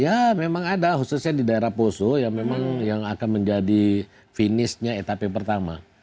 ya memang ada khususnya di daerah poso yang memang yang akan menjadi finishnya etape pertama